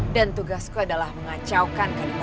dan tugasku adalah mengacaukan kadipaten